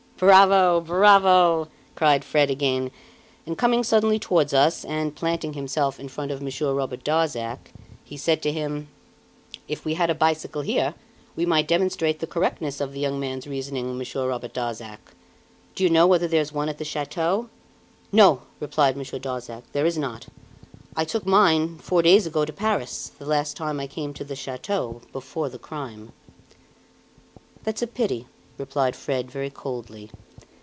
"Bravo! bravo!" cried Fred again, and coming suddenly towards us and, planting himself in front of Monsieur Robert Darzac, he said to him: "If we had a bicycle here, we might demonstrate the correctness of the young man's reasoning, Monsieur Robert Darzac. Do you know whether there is one at the chateau?" "No!" replied Monsieur Darzac. "There is not. I took mine, four days ago, to Paris, the last time I came to the chateau before the crime." "That's a pity!" replied Fred, very coldly.